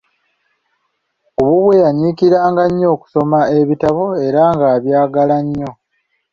Ku bubwe yanyiikiranga nnyo okusoma ebitabo era ng'abyagala nnyo.